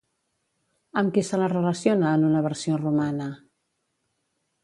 Amb qui se la relaciona en una versió romana?